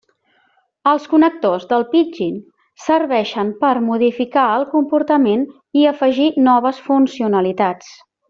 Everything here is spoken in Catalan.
Els connectors del Pidgin serveixen per modificar el comportament i afegir noves funcionalitats.